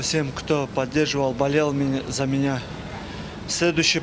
terima kasih kepada semua yang menonton dan menolong saya